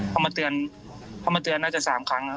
เขามาเตือนนาจจะ๓ครั้ง